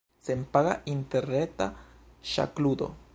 Senpaga interreta ŝakludo.